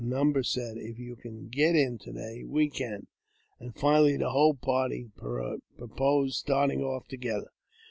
A number said, If you can get " in to day, we can, and finally the whole party proposed starting off together.